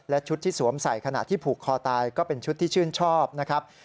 และชุดที่สวมใส่ขณะที่ผูกคอตายก็เป็นชุดที่ชื่นชอบนะครับ